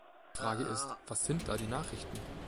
Die Frage ist, was sind da die Nachrichten?